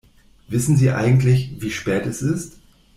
Wissen Sie eigentlich, wie spät es ist?